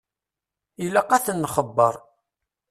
Ilaq ad ten-nxebbeṛ.